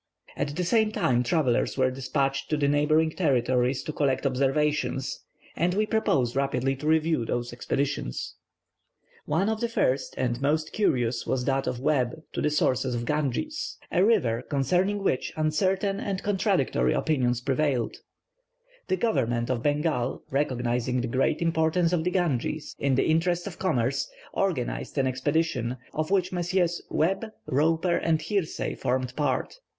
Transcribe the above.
At the same time travellers were despatched to the neighbouring territories to collect observations, and we propose rapidly to review those expeditions. [Illustration: Map of English India and part of Persia. Gravé par E. Morieu.] One of the first and most curious was that of Webb to the sources of the Ganges, a river concerning which uncertain and contradictory opinions prevailed. The Government of Bengal, recognizing the great importance of the Ganges in the interests of commerce, organized an expedition, of which Messrs. Webb, Roper, and Hearsay, formed part.